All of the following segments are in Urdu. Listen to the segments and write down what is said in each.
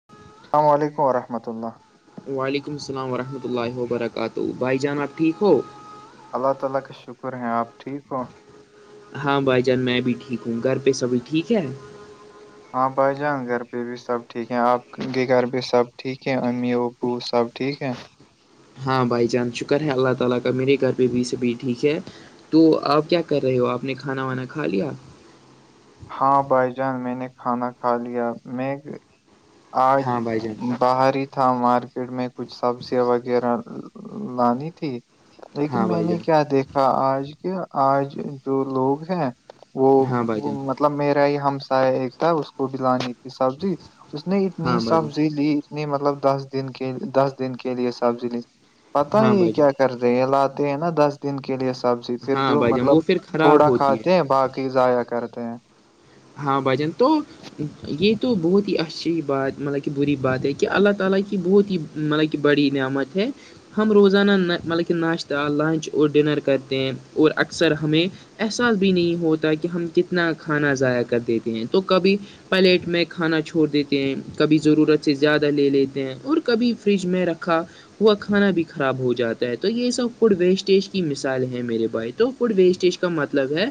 [inaudible] السلام علیکم رحمۃ اللہ وعلیکم السلامورحمۃ اللہ وبرکاتہ بھائی جان آب ٹھیک ہو اللہ تعالا کا شکر ہے آپ ٹھیک ہو ہاں بھائی جان میں بھی ٹھیک ہوں گھر پہ سبھی ٹھیک ہے آپ آ جائؤیں گھر پہ بھی سب ٹھیک ہے آپ کے گھر پہ سب ٹھیک ہے امی وہ سب ٹھیک ہے ہاں بائی چانس شکر ہے اللہ تعالا کا میرے گھر پہ بھی سے بھی ٹھیک ہے تو آپ کیا کر رہے ہو آپ نے کھانا وانا کھا لیا ہاں بھائی جان میں نے کھانا کھا لیا میں آج ہاں بھائی جان باہر ہی تھا مارکیٹ میں کچھ سبزیاں وغیرہ لانی تھی ہاں لیکن میں بھائی نے جان کیا دیکھا آج کے آج جو لوگ ہیں وہ ہاں بھائی جان مطلب میرا ہی ہمسا ایک تھا اس کو ب لانے کا سبزی اس نے اتنی ہاں بھائی جان سبزی لی نہیں مطلب دس دن کے دس دن کے لیے سبز لی پتا ہاں ہی یہ بھائی جان کیا کرتے ہیں لات ہیں نا دس دن کے لیے سبزی پھر ہاں جو بھائی جان مطلب وہ پھر خراب تھوڑا ہوتی ہے کھاتے ہیں باقی ضائع کرتے ج ہاں بھجن تو یہ تو بہت ہی اچھی بات مطلب کہ بری بات ہے کہ اللہ تعالا کی بہت ہی مطلب کہ بڑی نعمت ہے ہم روزانہ مطلب کہ ناشتہ لنچ اور ڈنر کرتے ہیں اور اکثر ہمیں احساس بھی نہیں ہوتا کہ ہم کتنا کھانا ضائع کر دیتے ہیں تو کبھی پلیٹ میں کھانا چھوڑ دیتے ہیں کبھی ضرورت سے زیادہ لے لیتے ہیں اور کبھی فریج میں رکھا ہوا کھانا بھی خراب ہو جاتا ہے تو یہ سب فوڈ ویسٹیج کی مثال ہیں میرے بھائی تو فڈ ویسٹیج کا مطلب ہے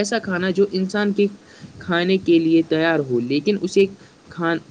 ایسا کھانا جو انسان کے کھانے کے لیے تیار ہو لیکن اسے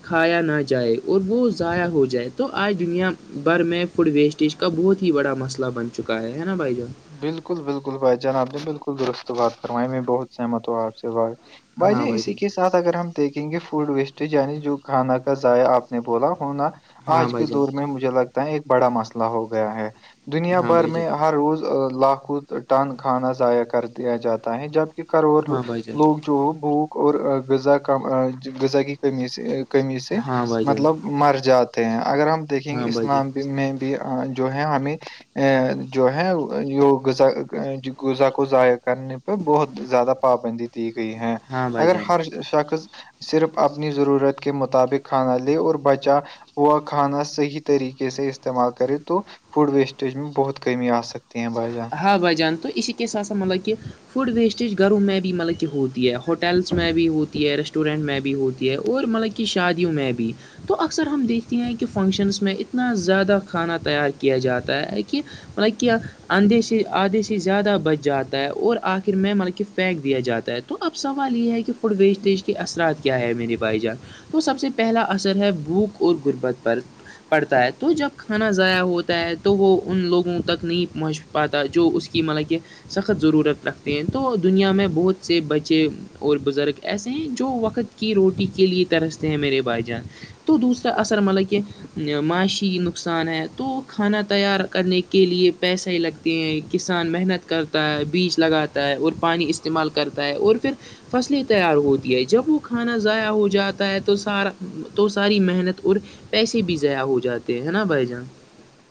کھایا نہ جائے اور وہ ضائع ہو جائے تو آج دنیا بھر میں فوڈ ویسٹیج کا بہت ہی بڑا مسئلہ بن چکا ہے نا بھائی جان بالکل بالکل بھائی جناب ج بالکل درست بات فرمائی میں بہت سہمت ہو آپ سے بھائی ب ہاں جائے بھائی اسی جان کی ساتھ اگر ہم دیکھیں گے فوڈ ویسٹیج یعنی جو کھانا کا ضائع آپ نے بولا ہونا ہاں آج کے بھائی جان دور میں مجھے لگتا ہے ایک بڑا مسئلہ ہو گیا ہے دنیا ہاں بھر بھائی جان میں ہر روز لاکھوں ٹن کھانا ضائع کر دیا جاتا ہے جب کروڑ ہاں بھائی جان لوگ جو بھوک اور غز غزہ کی کمی سے کمی سے ہاں بھائی جان مطلب مر جاتے ہیں اگر ہم دیکھیں گے ہاں بھائی جان اسلام میں بھی جو ہے ہمیں ا جو ہے غذا غذہ کو ضائع کرنے پہ بہت زیادہ پابندی ت دی گئی ہے ہاں بھائی اگر جان ہر شخص صرف اپنی ضرورت کے مطابق کھانا لے اور بچا وہا کھانا صحیح طریقے سے استعمال کرے تو فوڈ ویسٹیج میں بہت کمی آ سکتی ہیں بھائی جان ہاں بھائی جان تو اس کے ساتھ ساتھ مطلب کہ فوڈ ویسٹیج گھروں میں بھی مطلب کہ ہوتی ہے ہوٹلس میں بھی ہوتی ہے ریسٹورینٹ میں بھی ہوتی ہے اور مطلب کہ کہ شادیوں میں بھی تو اکثر ہم دیکھتے ہیں کہ فنکشنس میں اتنا زیادہ کھانا تیار کیا جاتا ہے کہ مطلب کہ آدھے سے آدھے سے زیادہ بچ جاتا ہے اور آخر میں مطلب کہ پھینک دیا جاتا ہے تو اب سوال یہ ہے کہ فوڈ ویسٹیج کے اثرات کیا ہے میرے بھائی جان تو سب سے پہلا اثر ہے بھوک اور غربت پر پڑتا ہے تو جب کھانا ضائع ہوتا ہے تو وہ ان لوگوں تک نہیں پہنچ پاتا جو اس کی مطلب کہ سخت ضرورت رکھتے ہیں تو دنیا میں بہت سے بچے اور بزرگ ایسے ہیں جو وقت کی روٹی کے لیے ترستے ہیں میرے بھائی جان تو دوسرا اثر مطلب کہ معاشی نقصان ہے تو کھانا تیار کرنے کے لیے پیسے ہی لگ کسان محنت کرتا ہے بیج لگاتا ہے اور پانی استعمال کرتا ہے اور پھر فصلیں تیار ہوتی ہے جب وہ کھانا ضائع ہو جاتا ہے تو سارا تو ساری محنت اور پیسے بھی ضائع ہو جاتے ہے نا بھائی جان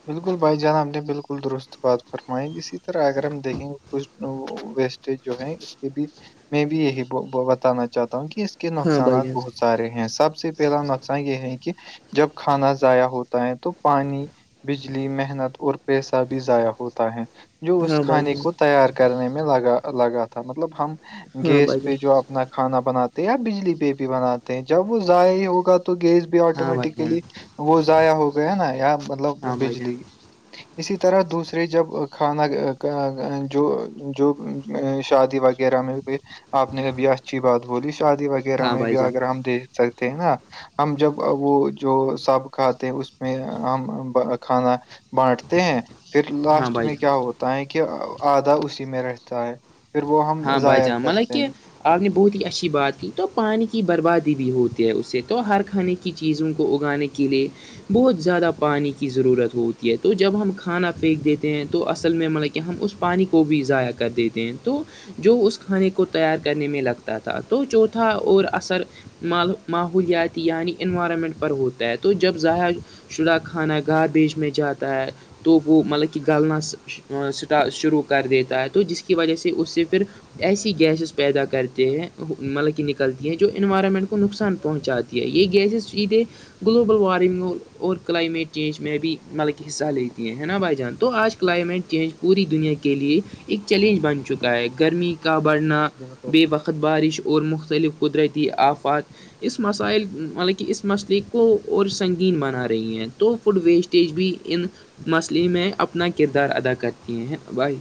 بالکل بھائی جان ہم نے بالکل درست بات فرمائی اسی طرح اگر ہم دھیں گے کچھ ویسٹج جو ہے یہ بھی میں بھی یہی بتانا چاہتا ہوں کہ ہاں بھائی نقصانات جان بہت زیادہ سارے ہیں سب سے پہلا نقصان یہ ہے کہ جب کھانا ضائع ہوتا ہے تو پانی بجلی محنت اور پیسہ بھی ضائع ہوتا ہے جو اس ہاں بھائی کھانے جان کو تیار کرنے میں لگا لگا تھا مطلب ہم ہاں گیس بھائی جان پہ جو آپ اپنا کھانا بناتے ہیں یا بجلی پہ بھی بناتے ہیں جب وہ ضائع ہوگا تو گیس ہاں بھائی جان آٹومیٹیکلی وہ ضائع ہو گیا نا مطلب ہاں بھائی جان بجلی اسی طرح دوسرے جب کھانا جو جو شادی وغیرہ وغیرہ میں بھی آپ نے کبھی اچھی بات بولی شادی وغیرہ ہاں میں بھائی بھی جان اگر ہم دیکھ سکتے ہے نا ہم جب وہ جو سب کھاتے ہیں اس میں ہم کھانا بانٹتے ہیں پھر ہاں لاسٹ بھائی میں جان کیا ہوتا تا ہے کہ آدھا اسی میں رہتا ہے پھر وہ ہم ہاں بھائی ضائع جان مطلب کرتے کہ ہیں آپ نے بہت ہی اچھی بات کی تو پانی کی بربادی بھی ہوتی ہے اس سے تو ہر کھانے کی کی چیزوں کو اگانے کے لیے بہت زیادہ پانی کی ضرورت ہوتی ہے تو جب ہم کھانا پھینک دیتے ہیں تو اصل میں مطلب کہہ ہم اس پانی کو بھی ضائع کر دیتے ہیں تو جو اس کھانے کو تیار کرنے میں لگتا تھا تو چوتھا اور اثر ماحولیاتی یعنی انوائرمنٹ پر ہوتا ہے تو جب شدا کھانا گار بیج میں جاتا ہے تو وہ مطلب کہ گلنا شروع کر دیتا ہے تو جس کی وجہ سے اس سے پھر ایسی گیسز پیدا کرتے ہیں مطلب کہ نکلتی ہیں جو انوائرمنٹ کو نقصان پہنچاتے یہ گیسز سیدھے گلوبل وارمنگ اور کلائمیٹ چینج میں بھی مطلب کہ حصہ لیتی ہیں ہے نا بھائی جان تو آج کلائمیٹ چینج پوری دنیا کے لیئے ایک چیلنج بن چکا ہے ائے گرمی کا بڑھنا بالکل بے وقت بارش اور مختلف قدرتی آفات اس مسائل مطلب کہ اس مسئلے کو اور سنگین بنا رہی ہیں تو فوڈ ویسٹ تیج بھی ان مسئلے میں اپنا کردار ادا کرتی ہیں بھائی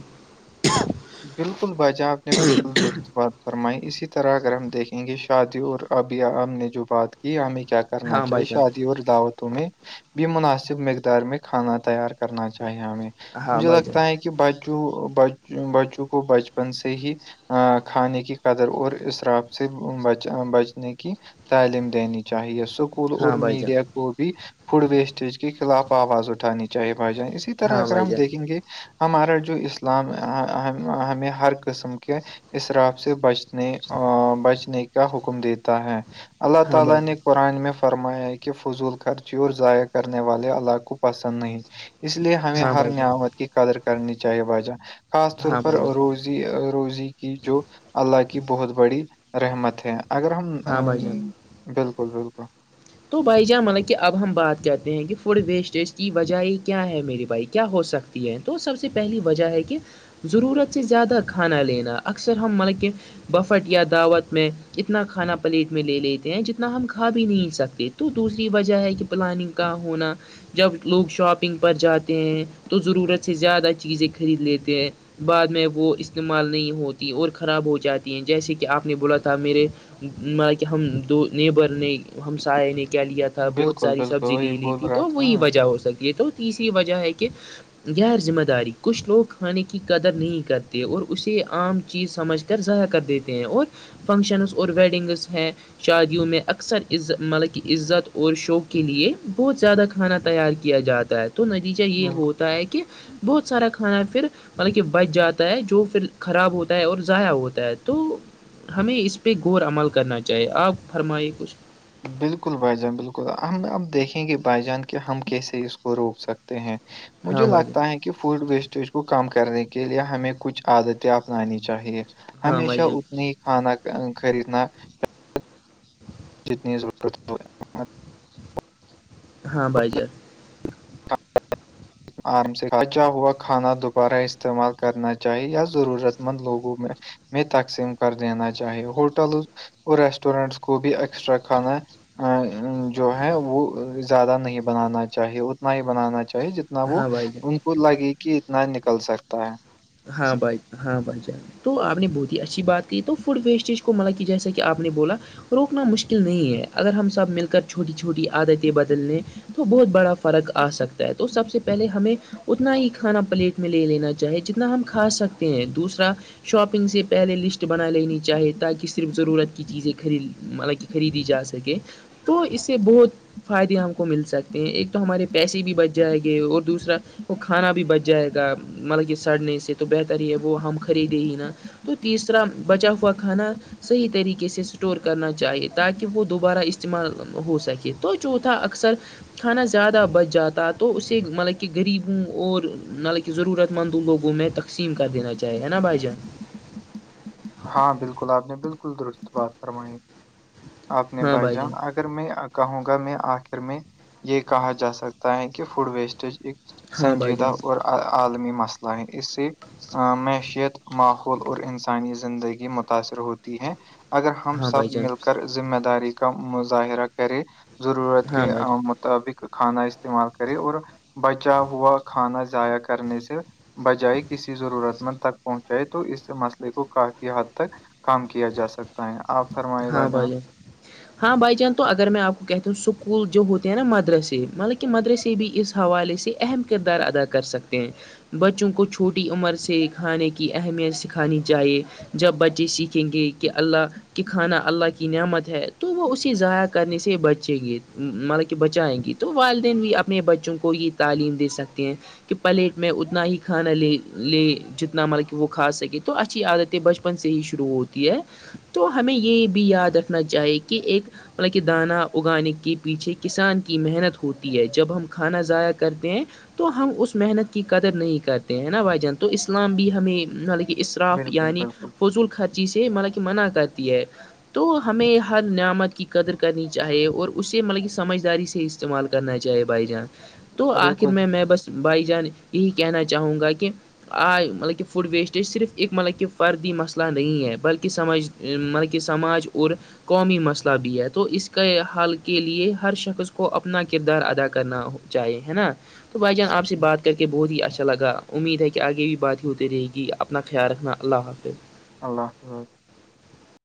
بالکل باجا آپ نے بالکل درست بات فرمائی اسی طرح اگر ہم دیکھیں گے شادی اور اب ہم نے جو بات کی ہمیں کیا کر کرنا ہاں بھائی چاہی جان شادیور داوت تیں بھی مناسب مقدار میں کھانا تیار کرنا چاہیے ہمیں ہاں مجھے بھائی جان لگتا ہے کہ کہ بچوں ب بچوں کو بچپن سے ہی ا کھانے کی قدر اور اسرااب سے بچنے کی تعلیم دینی چاہیے اس اسکول اور ہاں بھائی جان میڈیا کو بھی فوڈ ویسٹیج کے خلاف آواز اٹھانی چائےے بھائی جائ اسی طرح ہاں اگر بھائی ہم جان دیکھیں گے ہمارا جو اسلام ہمیں ہر قسم کے اسراب سے بچنے بچنے کا حکم دیتا ہے اللہ ہاں تعالی بھائی نے جان قرآن میں فرمایا ہے کہ فضول خرچی اور ضائع کرنے والے علاق کو پسند نہیں اس لیے ہمیں ہاں ہر بھائی جان نعمت کی قدر کرنی چاہیے باجہ خاص طور ہاں بھائی جان پروز روزی روزی کی جو اللہ کی بہت بڑی رحمت ہے اگر ہم ہاں بھائی جان بالکل بالکل تو بھائی جان مطلب کہ اب ہم بات کرتے ہیں کہ فوڈ ویسٹیج کی وجہ کیا ہے میرے بھائی کیا ہو سکتا ہے ہیں تو سب سے پہلی وجہ ہے کہ ضرورت سے زیادہ کھانا لینا اکثر ہم مطلب کہ بفٹ یا دعوت میں اتنا کھانا پلیٹ میں لے لیتے ہیں جتنا ہم کھا بھی نہیں سکتے تو دوسری وجہ ہے کہ پلاننگ کا ہونا جب لوگ شاپنگ پر جاتے ہیں تو ضرورت سے زیادہ چیزیں خرید لیتے ہیں بعد میں وہ استعمال نہیں ہوتی اور خراب ہو جاتی ہیں جیسے کہ آپ نے بولا تھا میرے م کہ ہم دو نیبر نے ہم سائے نے کیا لیا تھا بہت بالکل، ساری بالکل سبزی وہی لے لی بول تھی رہا تو تھا، وہی وجہ ہو سکتی ہے تو تسری وجہ ہے کہ غیر ذمہ داری کچھ لوگ کھانے کی قدر نہیں کرتے اور اسے عام چیز سمجھ ضائع کر دیتے ہیں اور فنکشنس اور ویڈنگس ہیں شادیوں میں اکثر عزت مطلب کہ عزت اور شوق کے لیے بہت زیادہ کھانا تیار کیا جاتا ہے تو نتیجہ یہ بالکل۔ ہوتا ہے کہ بہت سارا کھانا پھر مطلب کہ بچ جاتا ہے جو پھر خراب ہوتا ہے اور ضائع ہوتا ہے تو ہمیں اس پہ غور عمل کرنا چاہیے آپ فرمائیے کچھ بالکل بھائی جان بالکل ہم اب دیکھیں گے بائی جان کے ہم کیسے اس کو روک سکتے ہیں مجھے ہاں بھائی جان لگتا ہے کہ فوڈ ویسٹیج کو کم کرنے کے لیے ہمیں کچھ عادتیں اپنانی چاہیے ہاں بھائی ہمیشہ جان اتنے ہی کھانا خریدنا نیوز ہاں بھائی جات آرام سےچا ہوا کھانا دوبارہ استعمال کرنا چاہیے یا ضرورت مند لوگوں میں میں تقسیم کر دینا چاہی ہوٹل اور ریسٹورینٹس کو بھی ایکسٹرا کھانا ا جو ہے وہ زیادہ نہیں بنانا چاہیے اتنا ہی بنانا چاہیے جتنا اتنا وہ ہاں بھائی جان ان کو لگے کہ اتنا نکل سکتا ہے ہاں بھائی ہاں بھائی تو آپ نے بہت ہی اچھی بات کی تو فوڈ ویسٹیج کو مل کی جیسا کہ آپ نے بولا روکنا مشکل نہیں ہے اگر ہم سب مل کر چھوٹی چھوٹی عادتیں بدلنے تو بہت بڑا فرق آ سکتا ہے تو سب سے پہلے ہمیں اتنا ہی کھانا پلیٹ میں لے لینا چاہے جتنا ہم کھا سکتے ہیں دوسرا شاپنگ سے پہلے لسٹ بنا لینی چاہے تاکہ صرف ضرورت کی چیزیں خرید م خریدی جا سکے تو اس سے بہت فائدے ہم کو مل سکتے ہیں ایک تو ہمارے پیسے بھی بچ جائے گی اور دوسرا وہ کھانا بھی بچ جائے گا مطلب کہ سڑنے سے تو بہتر ہے وہ ہم خریدے ہی نا تو تیسرا بچا ہوا کھانا صحیح طریقے سے اسٹور کرنا چاہیے تاکہ وہ دوبارہ استعمال ہو سکے تو چوتھا اکثر کھانا زیادہ بچ جاتا تو اسے مطلب کہ غریبوں اور ملب کہ ضرورت مند لوگوں میں تقسیم کر دینا چاہے ہے نا بھائی جان ہاں بالکل آپ نے بالکل درست بات فرمائی آپ نے بھائی جان اگر میں کہوں گا میں آخر میں یہ کہا جا سکتا ہے کہ فوڈ ویسٹیج ایک ہاں سنجی بھائی دا جان اور [unintelligible] عالمی مسئلہ ہے اس سے معیشیت ماحول اور انسانی زندگی متاثر ہوتی ہے اگر ہم ہاں بھائی سب جان مل کر اس ذمہ داری کا مظاہرہ کرے ضرورت ہاں کے بھائی مطابق کھانا استعمال کرے اور بچا ہوا کھانا ضائع کرنے سے بجائے کسی ضرورت مند تک پہنچائے تو اس مسئلے کو کافی حد تک کام کیا جا سکتا ہے آپ فرمائے ہاں بھائی جان بلے [unintelligible] ہاں بائی چانس تو اگر میں آپ کو کہتا ہوں اسکول جو ہوتے ہیں نا مدرسے مطلب کہ مدرسے بھی اس حوالے سے اہم کردار ادا کر سکتے ہیں بچوں کو چھوٹی عمر سے کھانے کی اہمیت سکھانی چاہیے جب بچے سیکھیں گے کہ اللہ کہ کھانا اللہ کی نعمت ہے تو وہ اسی ضائع کرنے سے بچیں گے مطلب کہ بچائیں گے تو والدین بھی اپنے بچوں کو ہی تعلیم دے سکتے ہیں کہ پلیٹ میں اتنا ہی کھانا لے لے جتنا مطلب کہ وہ کھا سکے تو اچھی عادت ہے بچپن سے ہی شروع ہوتی ہے تو ہمیں یہ بھی یاد رکھنا چاہیے کہ ایک مطلب کہ دانہ اگانے کے پیچھے کسان کی محنت ہوتی ہے جب ہم کھانا ضائع کرتے ہیں تو ہم اس محنت کی قدر نہیں کرتے ہیں نا بھائی جان تو اسلام بھی ہمیں م اصراف بالکل یعنی بالکل فضول خرچی سے مل کہ منع کرتی ہے تو ہمیں ہر نعمت کی قدر کرنی چاہیے اور اسے مطلب کہ سمجھداری سے استعمال کرنا چاہے بھائی جان تو آخر بالکل میں میں بس بھائی جان یہی کہنا چاہوں گا کہ آج مطلب کہ فوڈ ویسٹیج صرف ایک مطلب کہ فردی مسئلہ نہیں ہے بلکہ سمجھ مل کہ سماج اور قومی مسئلہ بھی ہے تو اس کے حال کے لیے ہر شخص کو اپنا کردار ادا کرنا ہو چاہ ہے نا [unintelligible] تو بھائی جان آپ سے بات کر کے بہت ہی اچھا لگا امید ہے کہ آگے بھی بات ہی ہوتی رہے گی اپنا خیال رکھنا اللہ حافظ اللہ حافظ